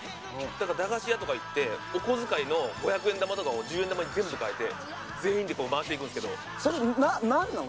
だから駄菓子屋とか行ってお小遣いの５００円玉とかを１０円玉に全部変えて全員でこう回していくんですけどそれ何なの？